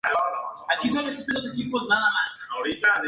Así fue sentado la base de la república parlamentaria futura.